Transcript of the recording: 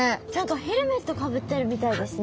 ヘルメットかぶってるみたいですね。